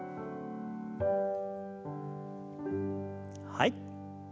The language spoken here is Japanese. はい。